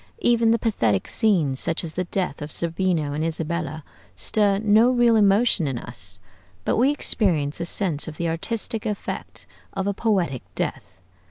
Even the pathetic scenes, such as the death of Zerbino and Isabella, stir no real emotion in us, but we experience a sense of the artistic effect of a poetic death.